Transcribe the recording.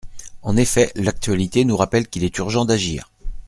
En effet, l’actualité nous rappelle qu’il est urgent d’agir.